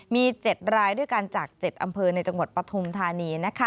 มี๗รายด้วยกันจาก๗อำเภอในจังหวัดปฐุมธานี